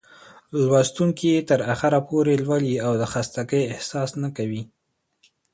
لوستونکى يې تر اخره پورې لولي او د خستګۍ احساس نه کوي.